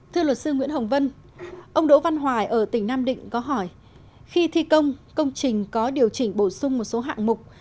thưa luật sư nguyễn hồng vân ông đỗ văn hoài ở tỉnh nam định có hỏi khi thi công công trình có điều chỉnh bổ sung một số hạng mục